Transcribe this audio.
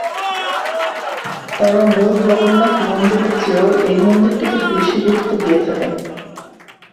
তারা মূল জগন্নাথ মন্দিরের চেয়েও এই মন্দিরটিকে বেশি গুরুত্ব দিয়ে থাকেন।